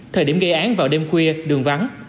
thời điểm gây án vào đêm khuya đường vắng